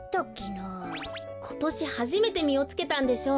ことしはじめてみをつけたんでしょう。